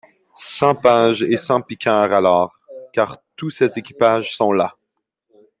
Sans pages Et sans piqueurs alors ; car tous ses équipages Sont là.